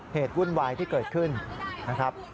วุ่นวายที่เกิดขึ้นนะครับ